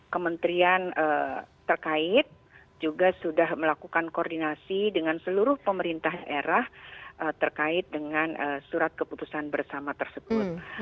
kementerian terkait juga sudah melakukan koordinasi dengan seluruh pemerintah daerah terkait dengan surat keputusan bersama tersebut